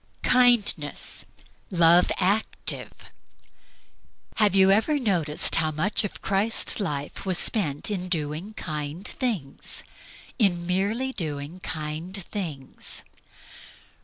Kindness. Love active. Have you ever noticed how much of Christ's life was spent in doing kind things in merely doing kind things?